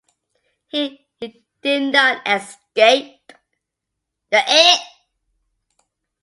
He did not escape.